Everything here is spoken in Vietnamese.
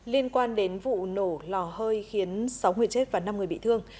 liên quan đến vụ nổ lò hơi khiến sáu người chết và năm người bị thương